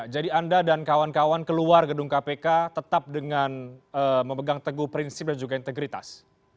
jadi anda dan kawan kawan keluar gedung kpk tetap dengan memegang teguh prinsip dan juga integritas